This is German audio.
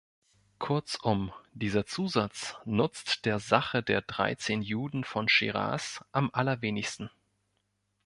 Kurzum, dieser Zusatz nutzt der Sache der dreizehn Juden von Shiraz am allerwenigsten.